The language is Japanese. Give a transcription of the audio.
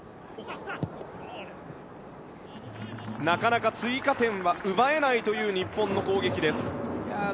なかなか追加点は奪えないという日本の攻撃です。